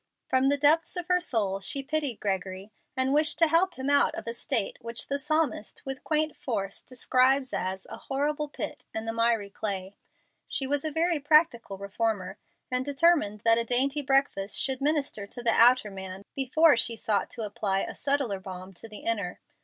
From the depths of her soul she pitied Gregory and wished to help him out of a state which the psalmist with quaint force describes as "a horrible pit and the miry clay." She was a very practical reformer, and determined that a dainty breakfast should minister to the outer man before she sought to apply a subtler balm to the inner.